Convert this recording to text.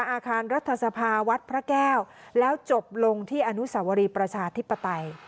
อาคารรัฐสภาวัดพระแก้วแล้วจบลงที่อนุสวรีประชาธิปไตย